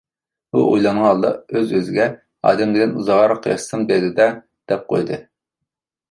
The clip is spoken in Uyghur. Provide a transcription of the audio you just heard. ئۇ ئويلانغان ھالدا ئۆز-ئۆزىگە: «ئادەم دېگەن ئۇزاقراق ياشىسام دەيدۇ-دە» دەپ قويدى.